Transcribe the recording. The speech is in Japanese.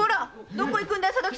どこ行くんだい？